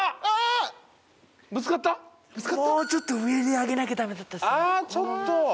ああちょっと。